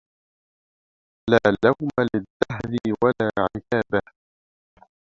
لا لوم للدهر ولا عتابا